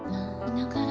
だから。